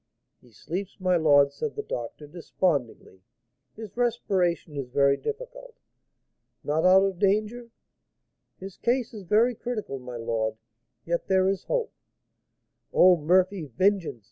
"He sleeps, my lord," said the doctor, despondingly; "his respiration is very difficult." "Not out of danger?" "His case is very critical, my lord; yet there is hope." "Oh, Murphy! vengeance!